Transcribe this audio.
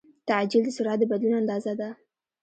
تعجیل د سرعت د بدلون اندازه ده.